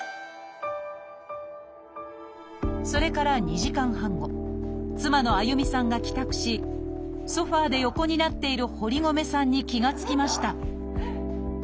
それから２時間半後妻のあゆみさんが帰宅しソファーで横になっている堀米さんに気が付きました